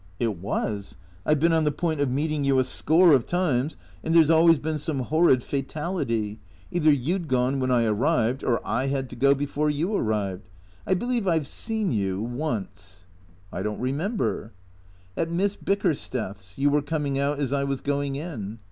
" It was. I've been on the point of meeting you a score of times, and there 's always been some horrid fatality. Either you 'd gone when I arrived, or I had to go before you arrived. I believe I \e seen you — once." " I don't remember." " At Miss Bickersteth's. You were coming out as I was going in."